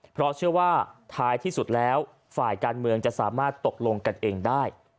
เพราะเชื่อว่าท้ายที่สุดแล้วฝ่ายการเมืองจะสามารถตกลงกันเองได้